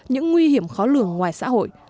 những nguy hiểm khó lường ngoài xã hội